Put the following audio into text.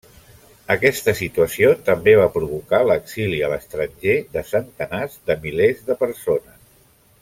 Aquesta situació també va provocar l'exili a l'estranger de centenars de milers de persones.